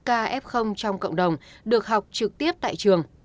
một ca f trong cộng đồng được học trực tiếp tại trường